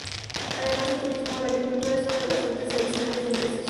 Además del turismo, la agricultura es una de las fuentes tradicionales de ingresos.